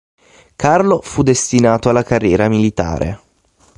Carlo fu destinato alla carriera militare.